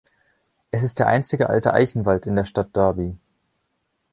Es ist der einzige alte Eichenwald in der Stadt Derby.